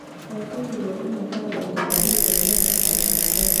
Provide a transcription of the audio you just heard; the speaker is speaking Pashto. سرتېری د وطن لپاره د وفادارۍ په ژمنه کې ثابت قدم دی.